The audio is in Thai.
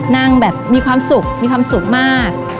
นั่งแบบมีความสุขมีความสุขมาก